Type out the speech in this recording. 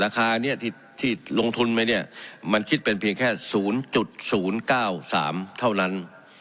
ราคาเนี่ยที่ที่ลงทุนไหมเนี่ยมันคิดเป็นเพียงแค่ศูนย์จุดศูนย์เก้าสามเท่านั้น